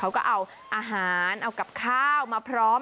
เขาก็เอาอาหารเอากับข้าวมาพร้อม